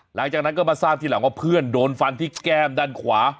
หลังจากนั้นก็มาทราบทีหลังว่าเพื่อนโดนฟันที่แก้มด้านขวา